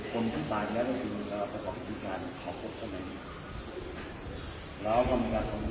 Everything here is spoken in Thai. สมมุติว่าแน่นักหน้านี่เป็นหนังสือหลังส่วนของมนุษย์ส่วนข้างน้อยและเหลือเกลียดของมนุษย์